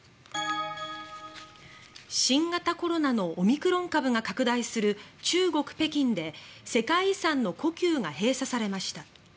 新型コロナのオミクロン株が拡大する中国・北京で世界遺産の故宮が閉鎖されました。